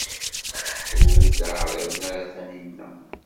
Ur d-ɛriḍen ara Taninna.